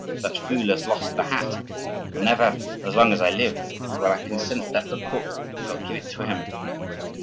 That fool has lost the hat; for never, as long as I live, will I consent that the Pope shall give it to him!